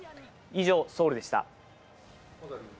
以上、ソウルでした。